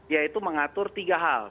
yaitu mengatur tiga hal